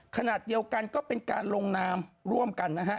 ขณะเดียวกันก็เป็นการลงนามร่วมกันนะฮะ